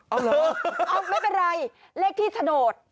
เอาเหรอเอาไม่เป็นไรเลขที่โฉนด